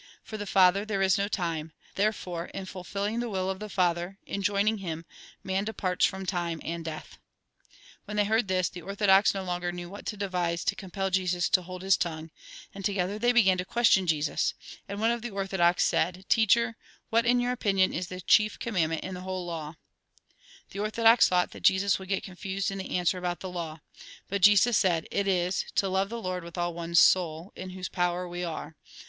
For the Father, tliere is no time ; therefore in fulfilling the will of the Father, in joining Him, man departs from time and death." When they heard this, the orthodox no longer knew what to devise to compel Jesus to hold his tongue; and together they began to question Jesus. And one of the orthodox said :" Teacher, what, in Mt. xxii. 21 25. Lk. XX. 34. Mt. xxii. 31. 32. 34. 36. 36. TEMPTATIONS 123 Mt. xxii. 37. Lk. xii. 1. XX. 45. 46. Mt. xxiii. 2. your opinion, is the chief commandment in the whole law ?" The orthodox thought that Jesus would get confused in the answer about the law. But Jesus said :" It is, to love the Lord with all one's soul, in whose power we are.